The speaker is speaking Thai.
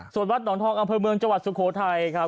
ส่วนวัดหนองทองอำเภอเมืองจังหวัดสุโขทัยครับ